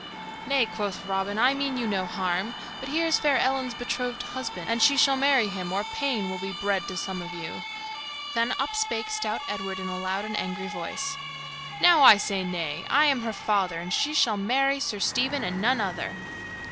"Nay," quoth Robin, "I mean you no harm; but here is fair Ellen's betrothed husband, and she shall marry him or pain will be bred to some of you." Then up spake stout Edward in a loud and angry voice, "Now I say nay! I am her father, and she shall marry Sir Stephen and none other."